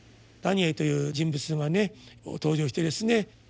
ダニエルという人物がね登場してですね